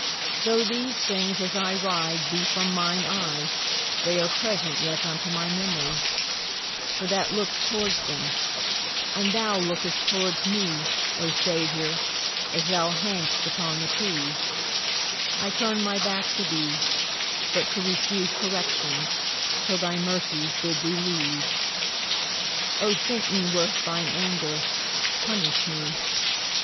Though these things, as I ride, be from mine eye, They'are present yet unto my memory, For that looks towards them; and thou look'st towards mee,O Saviour, as thou hang'st upon the tree;I turne my backe to thee, but to receiveCorrections, till thy mercies bid thee leave.O thinke mee worth thine anger, punish mee.